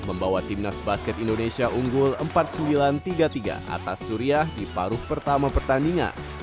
membawa timnas basket indonesia unggul empat sembilan tiga tiga atas suriah di paruh pertama pertandingan